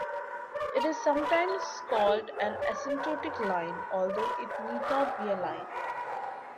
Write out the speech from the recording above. It is sometimes called an asymptotic line, although it need not be a line.